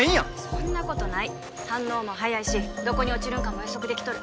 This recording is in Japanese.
そんなことない反応も早いしどこに落ちるんかも予測できとる